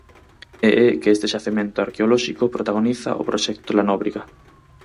E é que este xacemento arqueolóxico protagoniza o Proxecto Lanóbriga.